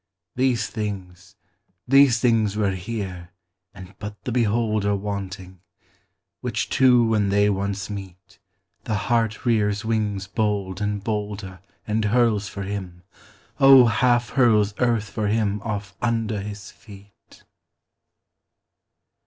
These things, these things were here and but the beholder Wanting; which two when they once meet, The heart rears wings bold and bolder And hurls for him, O half hurls earth for him off under his feet.